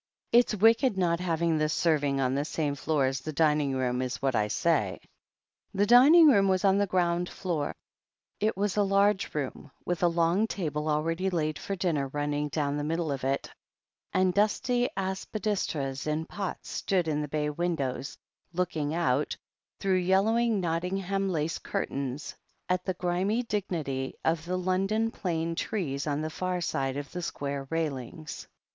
It's wicked not having the serving on the same floor as the dining room, is what I say." The dining room was on the groimd floor. It was a large room, with a long table already laid for dinner, running down the middle of it, and dusty aspidistras in pots stood in the bay windows, looking out, through THE HEEL OF ACHILLES 103 yellowing Nottingham lace curtains, at the grimy dignity of the London plane trees on the far side of the Square railings.